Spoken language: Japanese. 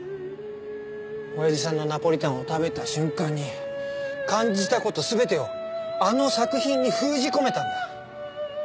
親父さんのナポリタンを食べた瞬間に感じた事全てをあの作品に封じ込めたんだ。